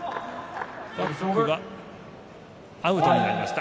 アウトになりました。